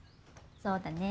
そうだね。